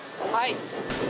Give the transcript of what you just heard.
はい。